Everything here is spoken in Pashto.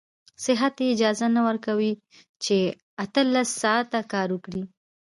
صحت يې اجازه نه ورکوي چې اتلس ساعته کار وکړي.